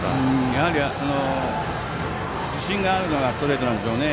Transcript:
やはり、自信があるのがストレートなんでしょうね。